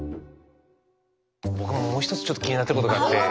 僕ももう一つちょっと気になってることがあって。